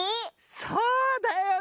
そうだよね。